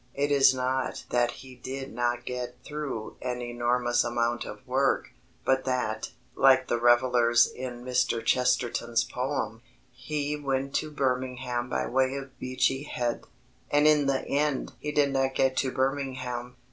It is not that he did not get through an enormous amount of work, but that, like the revellers in Mr. Chesterton's poem, he "went to Birmingham by way of Beachy Head," and in the end he did not get to Birmingham.